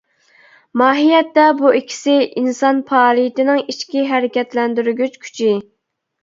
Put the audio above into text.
ماھىيەتتە بۇ ئىككىسى ئىنسان پائالىيىتىنىڭ ئىچكى ھەرىكەتلەندۈرگۈچ كۈچى.